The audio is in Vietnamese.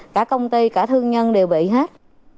cả công ty cả thương nhân đều bị hết